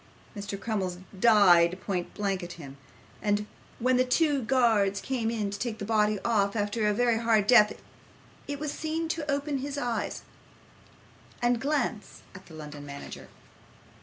Mr. Crummles died point blank at him; and when the two guards came in to take the body off after a very hard death, it was seen to open its eyes and glance at the London manager.